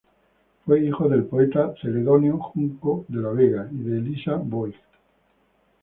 Fue hijo del poeta Celedonio Junco de la Vega y de Elisa Voigt.